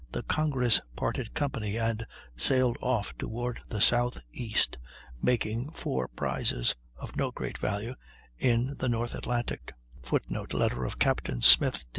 the Congress parted company, and sailed off toward the southeast, making four prizes, of no great value, in the North Atlantic; [Footnote: Letter of Captain Smith, Dec.